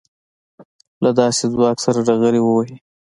له داسې ځواک سره ډغرې ووهي.